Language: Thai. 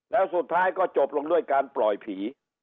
แล้วสุดท้ายก็จบลงด้วยการปล่อยผี